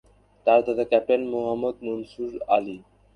তার দাদা ক্যাপ্টেন মুহাম্মদ মনসুর আলী।